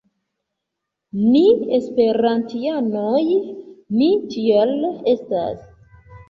Ni esperantianoj, ni tiel estas